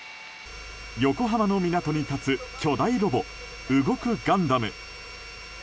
横浜の港に立つ巨大ロボ動くガンダム。